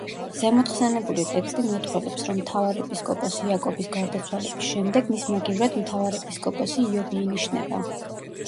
ზემოდხსენებული ტექსტი მეტყველებს რომ მთავარეპისკოპოს იაკობის გარდაცვალების შემდეგ მის მაგივრად მთავარეპისკოპოსი იობი ინიშნება.